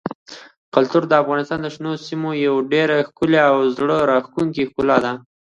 کلتور د افغانستان د شنو سیمو یوه ډېره ښکلې او زړه راښکونکې ښکلا ده.